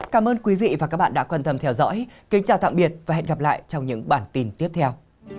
cảm ơn quý vị và các bạn đã quan tâm theo dõi kính chào tạm biệt và hẹn gặp lại trong những bản tin tiếp theo